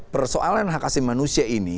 persoalan hak asli manusia ini